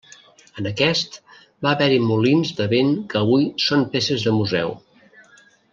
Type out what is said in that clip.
En aquest, va haver-hi molins de vent que avui són peces de museu.